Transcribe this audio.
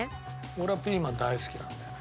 俺はピーマン大好きなんだよね。